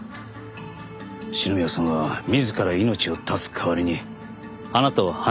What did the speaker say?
篠宮さんは自ら命を絶つ代わりにあなたを犯人に仕立てたんです。